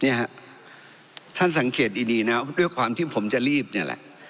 เนี่ยฮะท่านสังเกตดีดีนะด้วยความที่ผมจะรีบเนี่ยแหละ